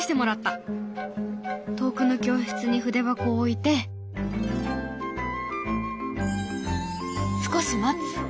遠くの教室に筆箱を置いて少し待つ。